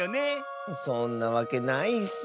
そんなわけないッス！